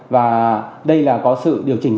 và đây là có sự điều chỉnh